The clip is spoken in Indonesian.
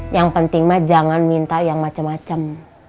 yang penting ma jangan minta yang macem macem